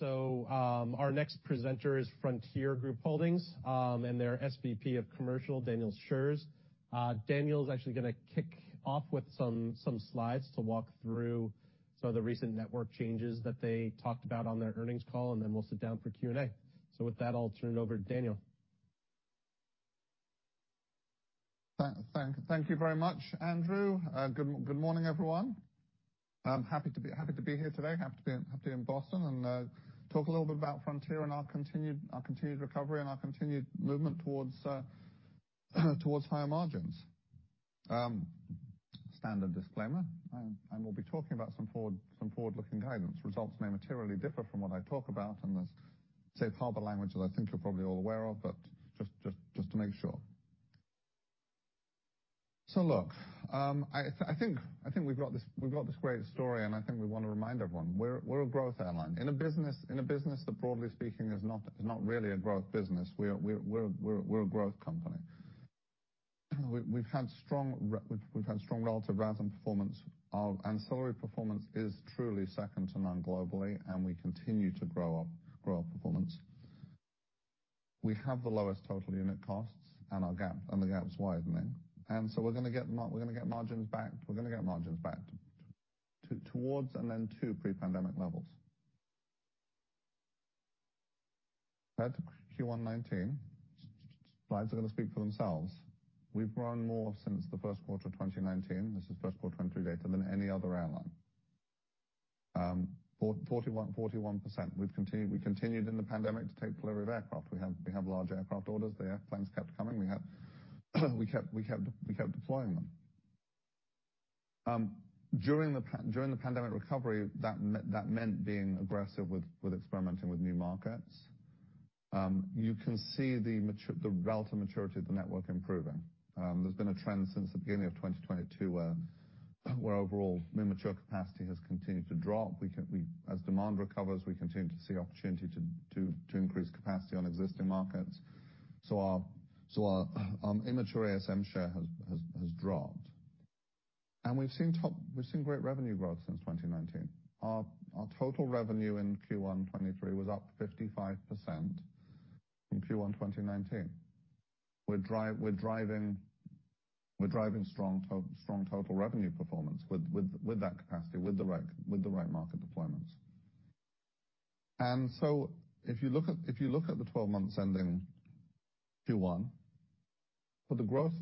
Our next presenter is Frontier Group Holdings, and their SVP of Commercial, Daniel Shurz. Daniel is actually gonna kick off with some slides to walk through some of the recent network changes that they talked about on their earnings call, and then we'll sit down for Q&A. With that, I'll turn it over to Daniel. Thank you very much, Andrew. Good morning, everyone. I'm happy to be here today. Happy to be in Boston and talk a little bit about Frontier and our continued recovery and our continued movement towards higher margins. Standard disclaimer, I will be talking about some forward-looking guidance. Results may materially differ from what I talk about and the safe harbor language that I think you're probably all aware of, but just to make sure. Look, I think we've got this great story, and I think we wanna remind everyone. We're a growth airline. In a business that broadly speaking is not really a growth business, we're a growth company. We've had strong relative RASM performance. Our ancillary performance is truly second to none globally, and we continue to grow our performance. We have the lowest total unit costs and the gap's widening. We're gonna get margins back. We're gonna get margins back towards and then to pre-pandemic levels. At Q1 2019, slides are gonna speak for themselves. We've grown more since the first quarter of 2019, this is first quarter 2023 data, than any other airline. For 41%, we've continued in the pandemic to take delivery of aircraft. We have large aircraft orders. The airplanes kept coming. We kept deploying them. During the pandemic recovery, that meant being aggressive with experimenting with new markets. You can see the relative maturity of the network improving. There's been a trend since the beginning of 2022 where overall immature capacity has continued to drop. As demand recovers, we continue to see opportunity to increase capacity on existing markets. Our immature ASM share has dropped. We've seen great revenue growth since 2019. Our total revenue in Q1 2023 was up 55% from Q1 2019. We're driving strong total revenue performance with that capacity, with the right market deployments. If you look at the 12 months ending Q1, for the growth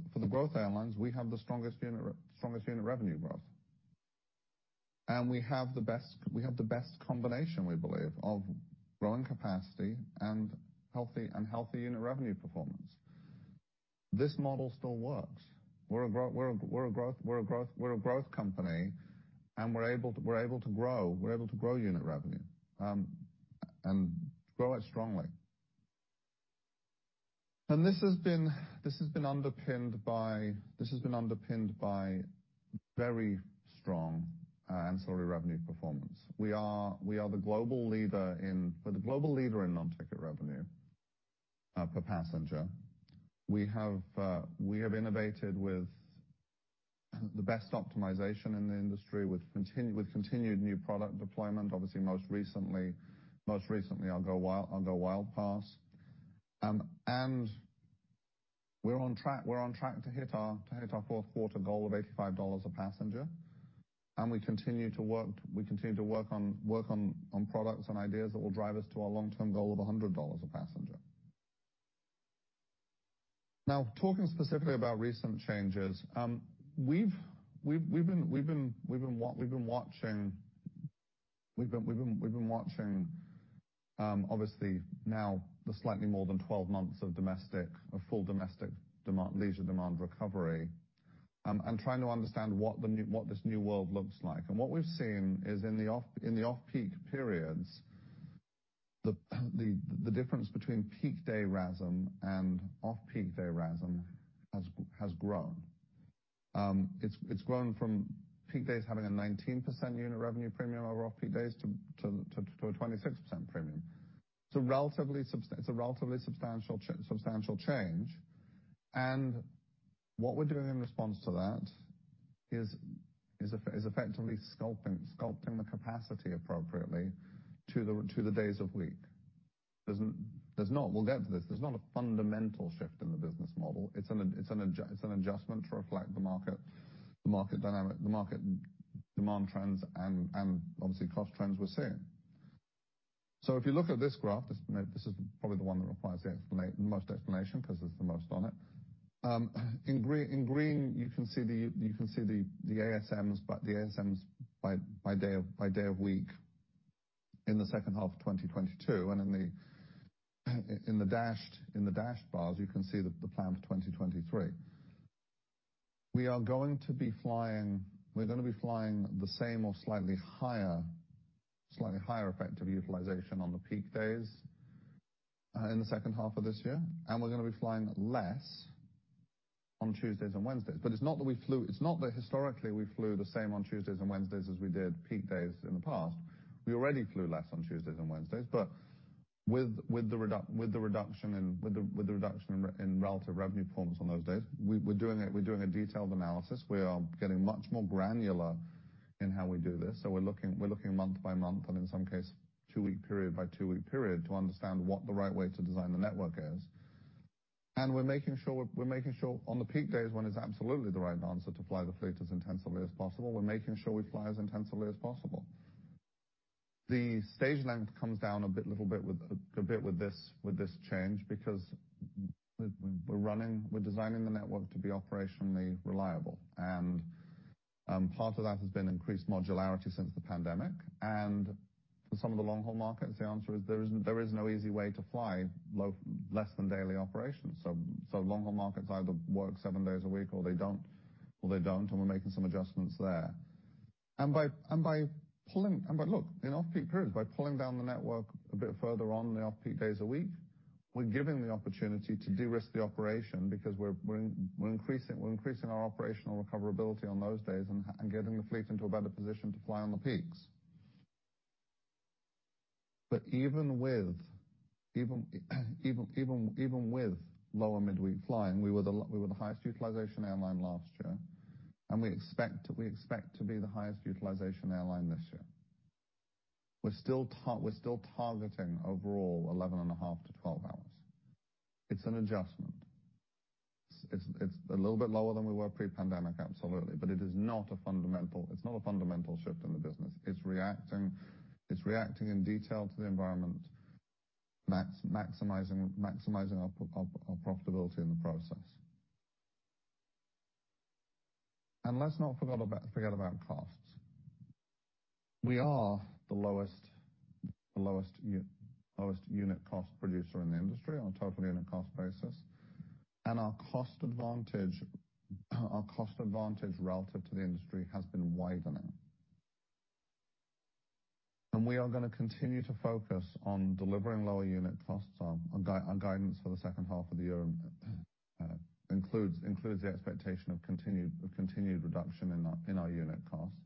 airlines, we have the strongest unit revenue growth. We have the best combination, we believe, of growing capacity and healthy unit revenue performance. This model still works. We're a growth company, and we're able to grow unit revenue and grow it strongly. This has been underpinned by very strong ancillary revenue performance. We are the global leader in non-ticket revenue per passenger. We have, we have innovated with the best optimization in the industry, with continued new product deployment, obviously, most recently our GoWild! Pass. We're on track to hit our fourth quarter goal of $85 a passenger, and we continue to work, we continue to work on products and ideas that will drive us to our long-term goal of $100 a passenger. Talking specifically about recent changes, we've been watching, obviously now the slightly more than 12 months of domestic, of full domestic demand, leisure demand recovery, and trying to understand what the new, what this new world looks like. What we've seen is in the off, in the off-peak periods, the difference between peak day RASM and off-peak day RASM has grown. It's grown from peak days having a 19% unit revenue premium over off-peak days to a 26% premium. It's a relatively substantial change. What we're doing in response to that is effectively sculpting the capacity appropriately to the days of week. We'll get to this. There's not a fundamental shift in the business model. It's an adjustment to reflect the market, the market dynamic, the market demand trends and obviously cost trends we're seeing. If you look at this graph, this, now this is probably the one that requires the most explanation 'cause there's the most on it. In green, in green, you can see the ASMs by day of week in the second half of 2022. In the dashed bars, you can see the plan for 2023. We're gonna be flying the same or slightly higher effective utilization on the peak days in the second half of this year, and we're gonna be flying less on Tuesdays and Wednesdays. It's not that historically we flew the same on Tuesdays and Wednesdays as we did peak days in the past. We already flew less on Tuesdays and Wednesdays. With the reduction in relative revenue performance on those days, we're doing a detailed analysis. We are getting much more granular in how we do this. We're looking month by month, and in some case, two-week period by two-week period, to understand what the right way to design the network is. We're making sure on the peak days, when it's absolutely the right answer to fly the fleet as intensively as possible, we're making sure we fly as intensively as possible. The stage length comes down a bit, little bit with, a bit with this, with this change, because we're designing the network to be operationally reliable. Part of that has been increased modularity since the pandemic. For some of the long-haul markets, the answer is there is no easy way to fly less than daily operations. Long-haul markets either work seven days a week or they don't, and we're making some adjustments there. By, look, in off-peak periods, by pulling down the network a bit further on the off-peak days a week, we're giving the opportunity to de-risk the operation because we're increasing our operational recoverability on those days and getting the fleet into a better position to fly on the peaks. Even with lower midweek flying, we were the highest utilization airline last year, and we expect to be the highest utilization airline this year. We're still targeting overall 11.5-12 hours. It's an adjustment. It's a little bit lower than we were pre-pandemic, absolutely. It is not a fundamental shift in the business. It's reacting in detail to the environment, maximizing our profitability in the process. Let's not forget about costs. We are the lowest unit cost producer in the industry on a total unit cost basis. Our cost advantage relative to the industry has been widening. We are gonna continue to focus on delivering lower unit costs. Our guidance for the second half of the year includes the expectation of continued reduction in our unit costs.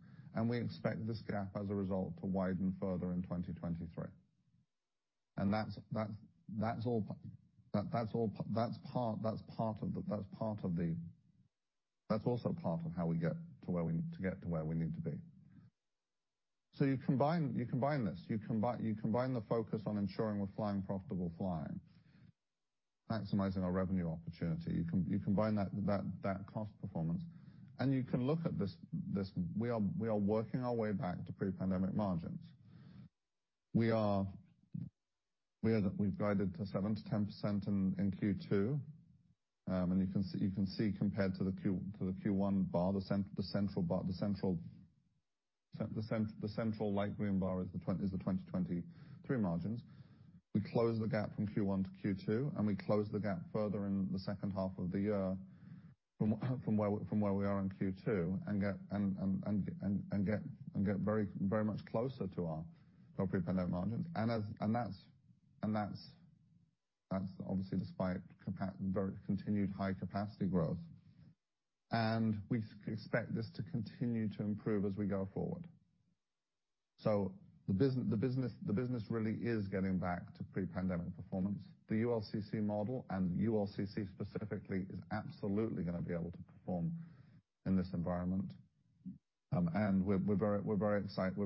We expect this gap as a result to widen further in 2023. That's also part of how we get to where we need to be. You combine this. You combine the focus on ensuring we're flying profitable flying, maximizing our revenue opportunity. You combine that cost performance, and you can look at this, we are working our way back to pre-pandemic margins. We've guided to 7%-10% in Q2. You can see compared to the Q1 bar, the central light green bar is the 2023 margins. We close the gap from Q1-Q2, and we close the gap further in the second half of the year from where we are in Q2, and get very, very much closer to our pre-pandemic margins. That's obviously despite very continued high capacity growth. We expect this to continue to improve as we go forward. The business really is getting back to pre-pandemic performance. The ULCC model and ULCC specifically is absolutely gonna be able to perform in this environment. We're, we're very, we're very excited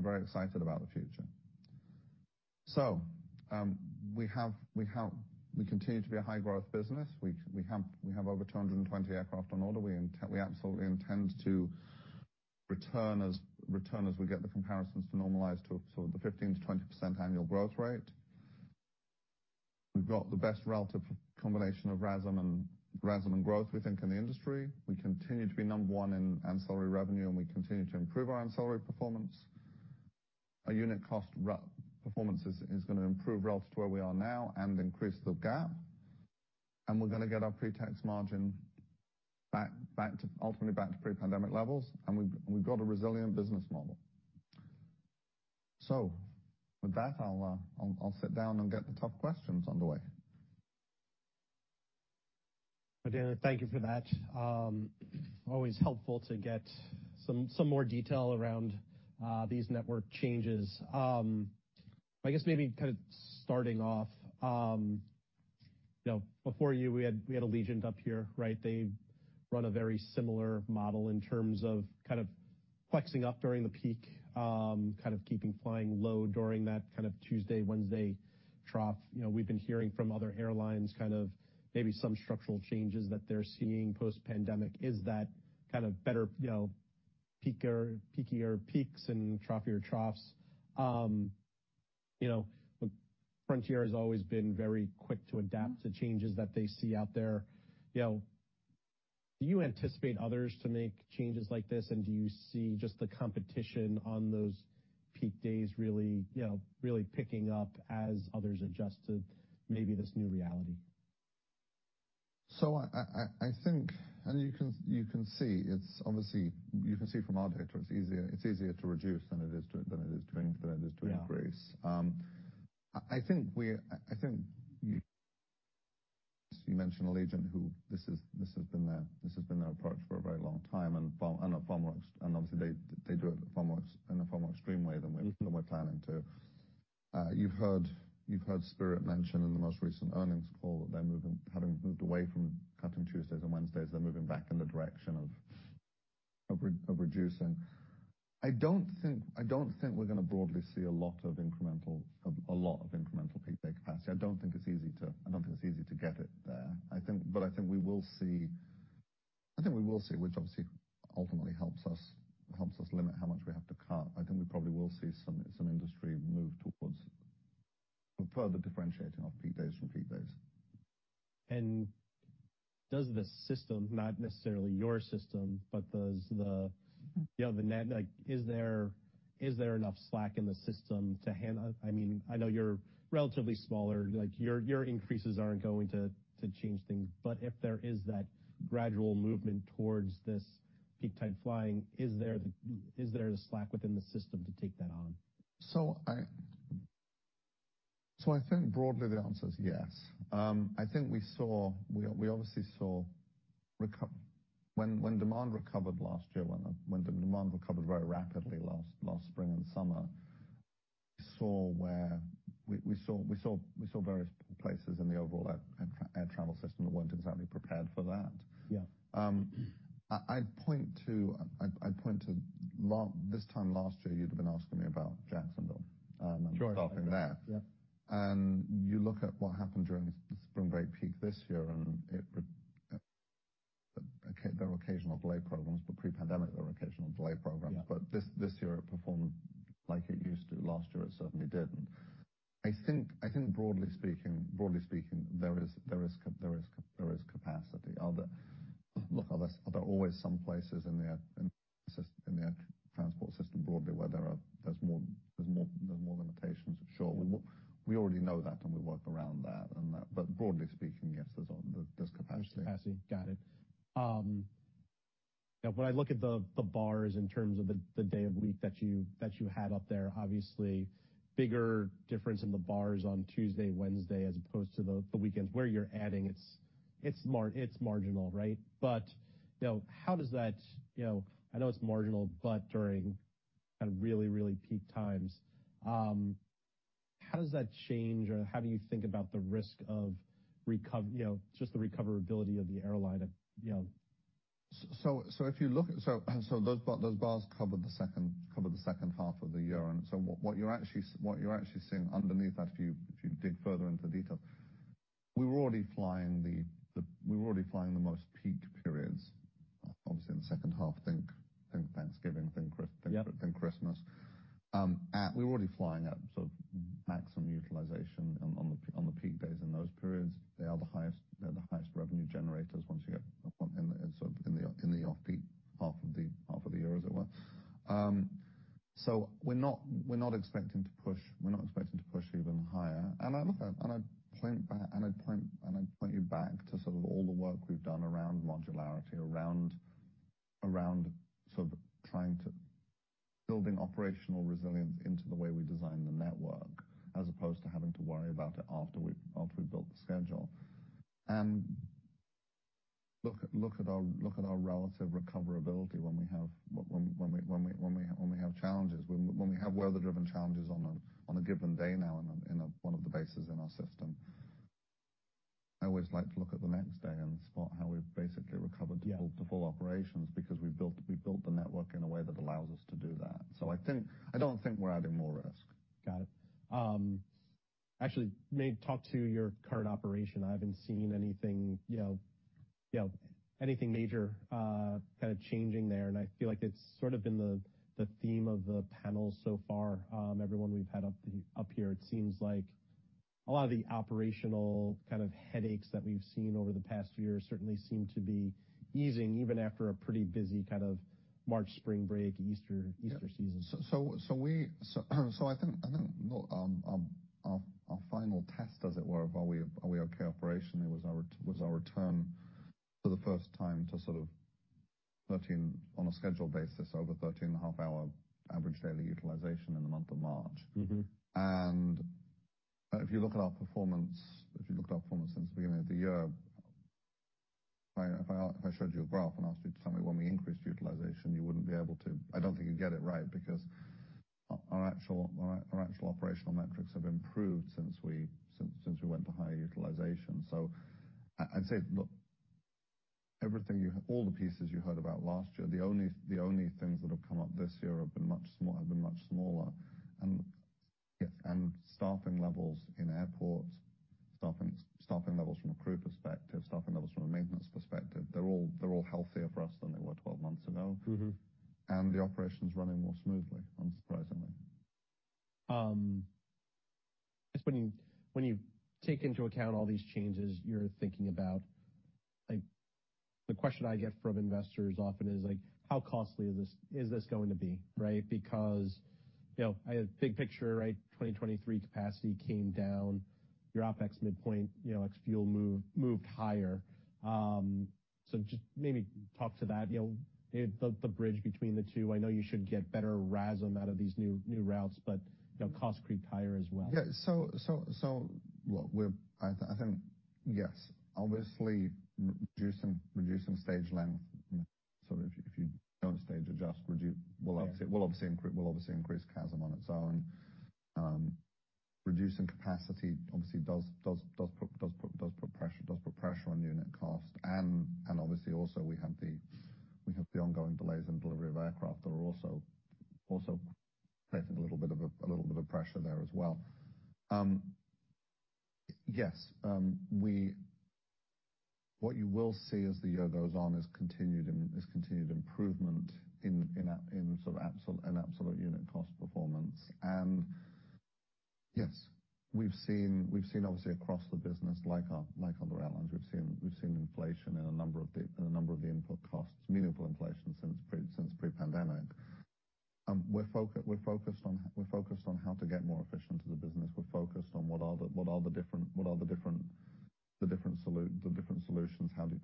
about the future. We have, we continue to be a high growth business. We have over 220 aircraft on order. We absolutely intend to return as we get the comparisons to normalize to sort of the 15%-20% annual growth rate. We've got the best relative combination of RASM and growth we think in the industry. We continue to be number one in ancillary revenue, and we continue to improve our ancillary performance. Our unit cost performance is gonna improve relative to where we are now and increase the gap. We're gonna get our pre-tax margin back to, ultimately back to pre-pandemic levels, and we've got a resilient business model. With that, I'll sit down and get the tough questions underway. Daniel, thank you for that. Always helpful to get some more detail around these network changes. I guess maybe kind of starting off, you know, before you, we had, we had Allegiant up here, right? They run a very similar model in terms of kind of flexing up during the peak, kind of keeping flying low during that kind of Tuesday, Wednesday trough. You know, we've been hearing from other airlines kind of maybe some structural changes that they're seeing post-pandemic. Is that kind of better, you know, peakier peaks and troughier troughs? You know, Frontier has always been very quick to adapt to changes that they see out there. You know, do you anticipate others to make changes like this? Do you see just the competition on those peak days really, you know, really picking up as others adjust to maybe this new reality? I think, and you can see it's obviously, you can see from our data it's easier to reduce than it is to increase. Yeah. I think you mentioned Allegiant, who this has been their approach for a very long time, and obviously they do it far more extreme way than we're planning to. You've heard Spirit mention in the most recent earnings call that they're having moved away from cutting Tuesdays and Wednesdays, they're moving back in the direction of reducing. I don't think we're gonna broadly see a lot of incremental, a lot of incremental peak day capacity. I don't think it's easy to get it there. I think we will see, which obviously ultimately helps us limit how much we have to cut. I think we probably will see some industry move towards further differentiating off-peak days from peak days. Does the system, not necessarily your system, but does the, you know, the net, like, is there enough slack in the system? I mean, I know you're relatively smaller. Like, your increases aren't going to change things. If there is that gradual movement towards this peak time flying, is there the slack within the system to take that on? I think broadly the answer is yes. I think we obviously saw When demand recovered last year, when demand recovered very rapidly last spring and summer, We saw various places in the overall air travel system that weren't exactly prepared for that. Yeah. I'd point to This time last year, you'd have been asking me about Jacksonville. Sure. Staffing there. Yeah. You look at what happened during spring break peak this year, and there were occasional delay problems, but pre-pandemic there were occasional delay problems. Yeah. This year it performed like it used to. Last year, it certainly didn't. I think broadly speaking, there is capacity. Look, are there always some places in the air transport system broadly where there are more limitations? Sure. Yeah. We already know that and we work around that. Broadly speaking, yes, there's capacity. There's capacity. Got it. Yeah, when I look at the bars in terms of the day of week that you had up there, obviously bigger difference in the bars on Tuesday and Wednesday as opposed to the weekends where you're adding, it's marginal, right? You know, I know it's marginal, but during kind of really, really peak times, how does that change or how do you think about the risk of just the recoverability of the airline at, you know? So if you look at... So those bars cover the second half of the year. What you're actually seeing underneath that, if you dig further into the detail, we were already flying the most peak periods, obviously in the second half. Think Thanksgiving. Yeah. Think Christmas. We're already flying at sort of maximum utilization on the peak days in those periods. They are the highest, they're the highest revenue generators once you get in the off-peak half of the year, as it were. We're not expecting to push even higher. I look at. I point back, and I point you back to sort of all the work we've done around modularity, around trying to building operational resilience into the way we design the network, as opposed to having to worry about it after we've built the schedule. Look at our relative recoverability when we have challenges. When we have weather-driven challenges on a given day now in one of the bases in our system, I always like to look at the next day and spot how we've basically recovered. Yeah. To full operations because we built the network in a way that allows us to do that. I don't think we're adding more risk. Got it. Actually, maybe talk to your current operation. I haven't seen anything, you know, anything major, kind of changing there, and I feel like it's sort of been the theme of the panel so far. Everyone we've had up here, it seems like a lot of the operational kind of headaches that we've seen over the past few years certainly seem to be easing even after a pretty busy kind of March, spring break, Easter season. We I think look our final test, as it were, of are we okay operationally was our return for the first time to sort of 13.5 hour average daily utilization on a schedule basis, over 13.5 hour average daily utilization in the month of March. Mm-hmm. If you look at our performance, if you looked at our performance since the beginning of the year, if I showed you a graph and asked you to tell me when we increased utilization, you wouldn't be able to. I don't think you'd get it right because our actual operational metrics have improved since we went to higher utilization. I'd say, look, everything all the pieces you heard about last year, the only things that have come up this year have been much smaller. Staffing levels in airports, staffing levels from a crew perspective, staffing levels from a maintenance perspective, they're all healthier for us than they were 12 months ago. Mm-hmm. The operation's running more smoothly, unsurprisingly. Just when you, when you take into account all these changes you're thinking about, like, the question I get from investors often is like, how costly is this, is this going to be, right? Because, you know, I have big picture, right? 2023 capacity came down, your OPEX midpoint, you know, ex-fuel move, moved higher. Just maybe talk to that. You know, the bridge between the two. I know you should get better RASM out of these new routes, but, you know, cost creep higher as well. Look, I think, yes, obviously reducing stage length, you know, sort of if you, if you don't stage adjust will obviously increase CASM on its own. Reducing capacity obviously does put pressure on unit cost. Obviously also we have the ongoing delays in delivery of aircraft that are also placing a little bit of pressure there as well. Yes, What you will see as the year goes on is continued improvement in sort of absolute unit cost performance. Yes, we've seen obviously across the business like other airlines, we've seen inflation in a number of the input costs, meaningful inflation since pre-pandemic. We're focused on how to get more efficient as a business. We're focused on what are the different solutions. How do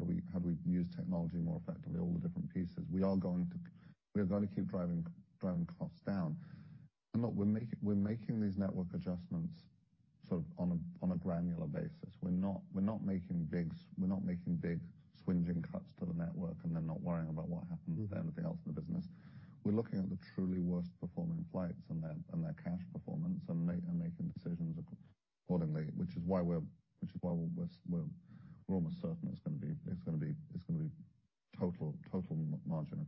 we use technology more effectively? All the different pieces. We have got to keep driving costs down. Look, we're making these network adjustments sort of on a granular basis. We're not making big swingeing cuts to the network and then not worrying about what happens with anything else in the business. We're looking at the truly worst performing flights and their cash performance and making decisions accordingly, which is why we're almost certain it's gonna be total margin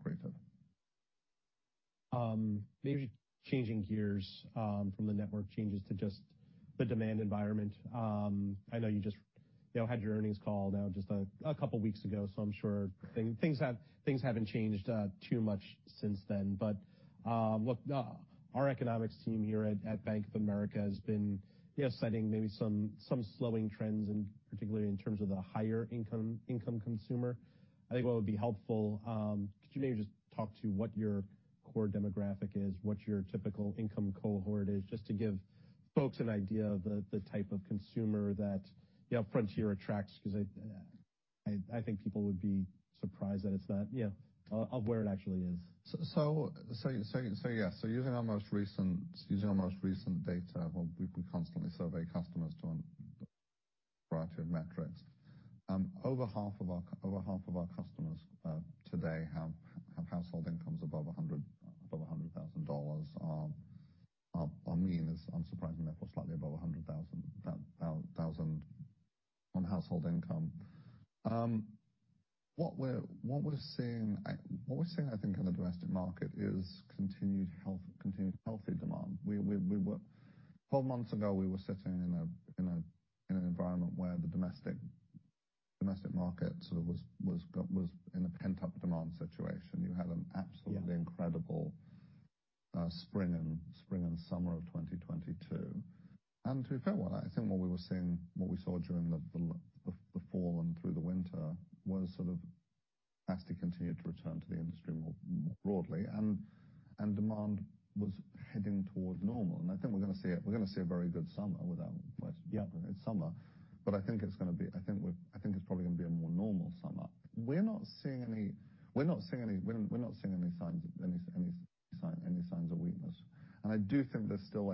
accretive. Maybe changing gears from the network changes to just the demand environment. I know you just, you know, had your earnings call now just a couple weeks ago, so I'm sure things have, things haven't changed too much since then. Look, our economics team here at Bank of America has been, you know, citing maybe some slowing trends and particularly in terms of the higher income consumer. I think what would be helpful, could you maybe just talk to what your core demographic is, what your typical income cohort is, just to give folks an idea of the type of consumer that, you know, Frontier attracts, 'cause I think people would be surprised that it's that, you know, of where it actually is? Yes. Using our most recent data, well, we constantly survey customers on a variety of metrics. Over half of our customers today have household incomes above $100,000. Our mean is unsurprisingly therefore slightly above $100,000 on household income. What we're seeing I think in the domestic market is continued health, continued healthy demand. We were 12 months ago, we were sitting in an environment where the domestic market sort of was in a pent-up demand situation. You had an absolutely incredible- Yeah. Spring and summer of 2022. To be fair, what I think what we were seeing, what we saw during the fall and through the winter was sort of capacity continued to return to the industry more broadly. Demand was heading towards normal. I think we're gonna see a very good summer without question. Yeah. It's summer. I think it's probably gonna be a more normal summer. We're not seeing any signs of weakness. I do think there's still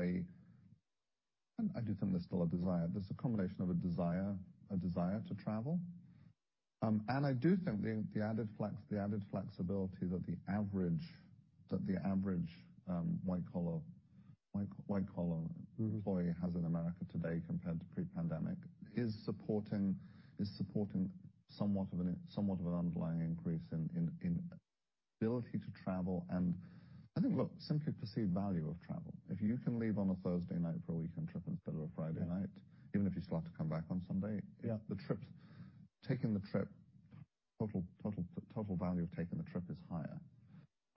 a desire. There's a combination of a desire to travel. I do think the added flexibility that the average white collar employee has in America today compared to pre-pandemic is supporting somewhat of an underlying increase in ability to travel. I think, look, simply perceived value of travel. If you can leave on a Thursday night for a weekend trip instead of a Friday night. Yeah. Even if you still have to come back on Sunday. Yeah. Taking the trip total value of taking the trip is higher.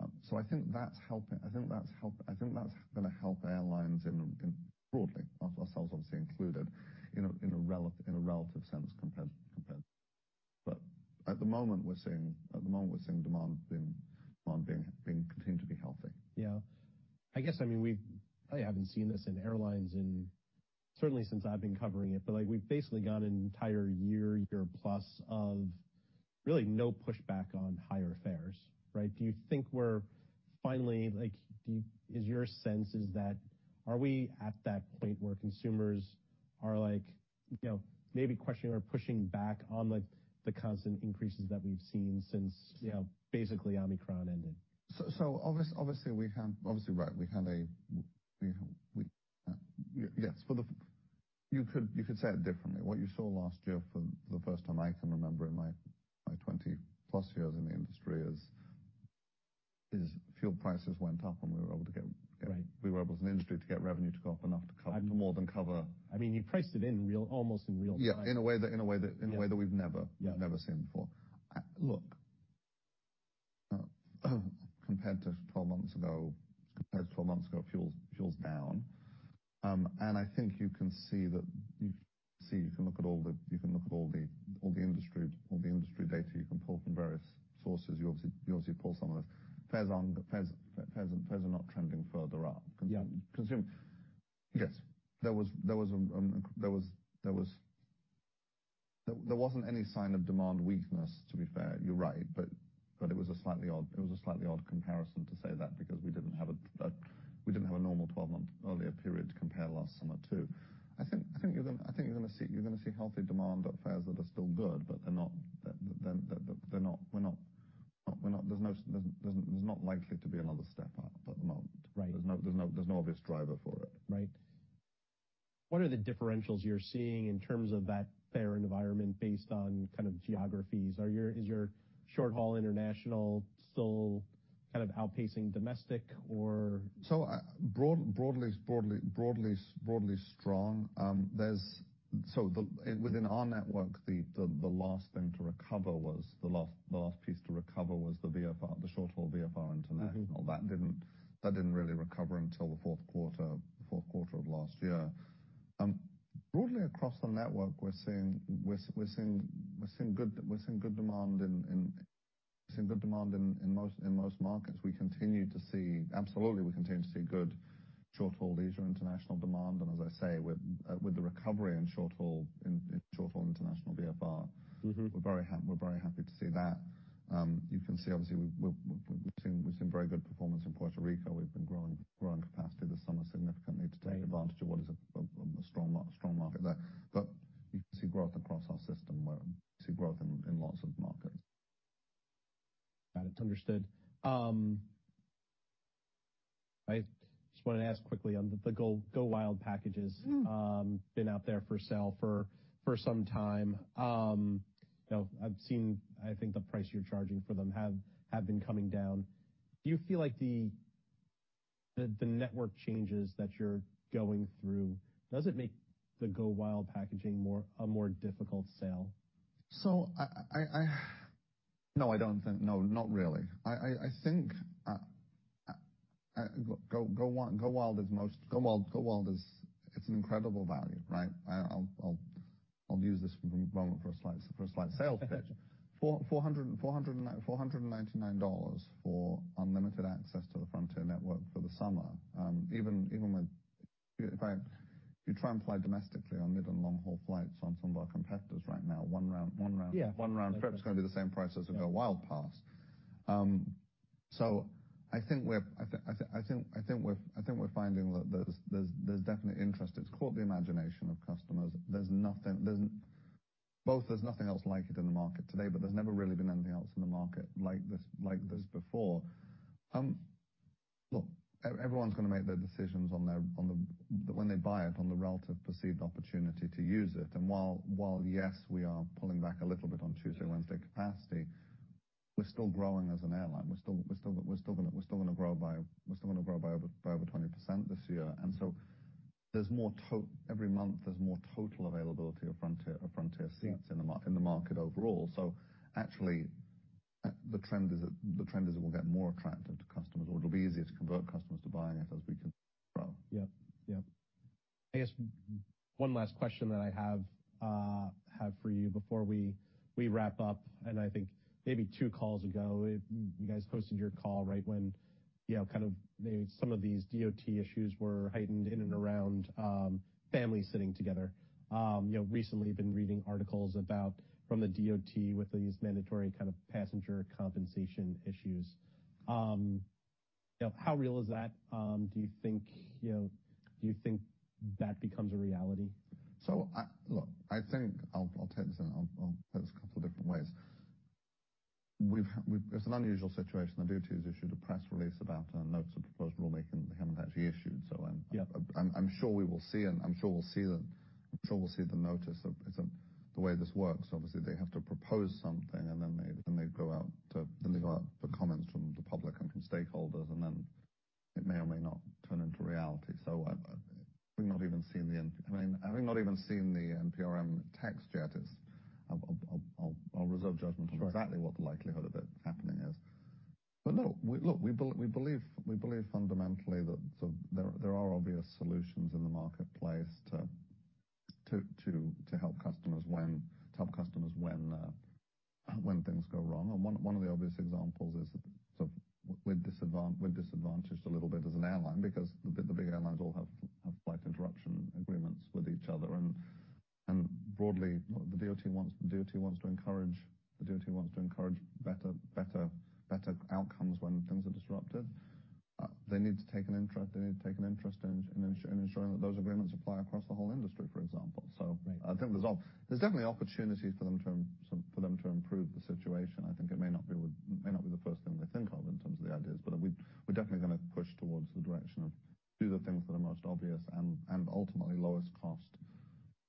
I think that's helping, I think that's gonna help airlines in broadly, ourselves obviously included, in a relative sense compared. At the moment, we're seeing demand being continued to be healthy. Yeah. I guess, I mean, I haven't seen this in airlines in, certainly since I've been covering it, but, like, we've basically gone an entire year plus of really no pushback on higher fares, right? Do you think we're finally like, is your sense is that are we at that point where consumers are like, you know, maybe questioning or pushing back on, like, the constant increases that we've seen since... Yeah. You know, basically Omicron ended? Obviously we have, obviously, right, we had a, we, yes. For the, you could say it differently. What you saw last year for the first time I can remember in my 20+ years in the industry is fuel prices went up, and we were able to get. Right. We were able as an industry to get revenue to go up enough. I mean- To more than cover. I mean, you priced it in real, almost in real time. Yeah. In a way that we've never- Yeah. Never seen before. Look, compared to 12 months ago, fuel's down. I think you can see that you can look at all the industry data you can pull from various sources. You obviously pull some of this. Fares are not trending further up. Yeah. Yes. There wasn't any sign of demand weakness, to be fair. You're right, but it was a slightly odd comparison to say that because we didn't have a normal 12-month earlier period to compare last summer to. I think you're gonna see healthy demand at fares that are still good, but they're not, we're not. There's no there's not likely to be another step up. Right. There's no obvious driver for it. Right. What are the differentials you're seeing in terms of that fare environment based on kind of geographies? Is your short-haul international still kind of outpacing domestic, or? Broadly strong. Within our network, the last thing to recover was the last piece to recover was the VFR, the short-haul VFR international. Mm-hmm. That didn't really recover until the fourth quarter of last year. Broadly across the network, we're seeing good demand in most markets. We continue to see. Absolutely, we continue to see good short-haul leisure international demand. As I say, with the recovery in short-haul international VFR. Mm-hmm. We're very happy to see that. You can see obviously, we've seen very good performance in Puerto Rico. We've been growing capacity this summer significantly. Right. To take advantage of what is a strong market there. You can see growth across our system. We're seeing growth in lots of markets. Got it. Understood. I just wanted to ask quickly on the GoWild! packages. Mm. Been out there for sale for some time. You know, I've seen, I think the price you're charging for them have been coming down. Do you feel like the network changes that you're going through, does it make the GoWild! packaging a more difficult sale? No, I don't think. No, not really. I think GoWild! is, it's an incredible value, right? I'll use this moment for a slight sales pitch. $499 for unlimited access to the Frontier network for the summer. Even with... In fact, if you try and fly domestically on mid and long-haul flights on some of our competitors right now, one round Yeah. One round trip is gonna be the same price as a GoWild! Pass. I think we're finding that there's definite interest. It's caught the imagination of customers. There's nothing else like it in the market today, but there's never really been anything else in the market like this, like this before. look, everyone's gonna make their decisions on their, when they buy it, on the relative perceived opportunity to use it. While yes, we are pulling back a little bit on Tuesday, Wednesday capacity, we're still growing as an airline. We're still gonna grow by over 20% this year. There's more every month, there's more total availability of Frontier seats in the market overall. Actually, the trend is it will get more attractive to customers, or it'll be easier to convert customers to buying it as we continue to grow. Yep. Yep. I guess one last question that I have have for you before we wrap up. I think maybe two calls ago, you guys posted your call right when, you know, kind of maybe some of these DOT issues were heightened in and around families sitting together. You know, recently been reading articles about from the DOT with these mandatory kind of passenger compensation issues. You know, how real is that? Do you think, you know, do you think that becomes a reality? Look, I think I'll take this a couple of different ways. It's an unusual situation. The DOT has issued a press release about notice of proposed rulemaking that they haven't actually issued. Yeah. I'm sure we will see. I'm sure we'll see the notice of. The way this works, obviously, they have to propose something and then they go out for comments from the public and from stakeholders. It may or may not turn into reality. I mean, having not even seen the NPRM text yet, it's. I'll reserve judgment. Sure. On exactly what the likelihood of it happening is. look, we believe fundamentally that, so there are obvious solutions in the marketplace to help customers when things go wrong. One of the obvious examples is sort of we're disadvantaged a little bit as an airline because the big airlines all have flight interruption agreements with each other. broadly, the DOT wants to encourage better outcomes when things are disrupted. They need to take an interest in ensuring that those agreements apply across the whole industry, for example. Right. I think there's definitely opportunities for them to improve the situation. I think it may not be what, may not be the first thing they think of in terms of the ideas, but we're definitely gonna push towards the direction of do the things that are most obvious and ultimately lowest cost,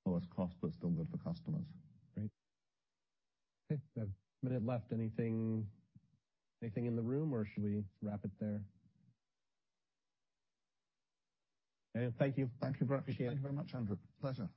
but still good for customers. Great. Okay, a minute left. Anything, anything in the room, or should we wrap it there? Okay, thank you. Thank you, Andrew. Appreciate it. Thank you very much, Andrew. Pleasure.